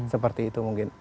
seperti itu mungkin